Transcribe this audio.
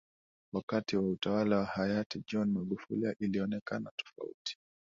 Wakati wa utawala wa hayati John Magufuli ilionekana tofauti